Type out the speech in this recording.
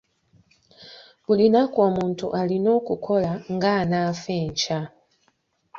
Buli lunaku omuntu alina okukola ng'anaafa enkya.